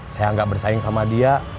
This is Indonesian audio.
saya gak bersaing sama dia